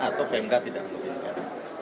atau tidak tidak mengizinkan